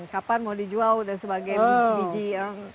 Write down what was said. kapan mau dijual dan sebagai biji yang